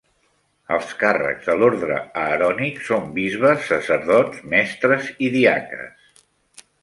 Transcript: Els càrrecs de l'orde Aaronic són bisbes, sacerdots, mestres i diaques.